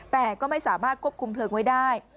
แต่ก็ไม่สามารถควบคุมเพลิงไว้ได้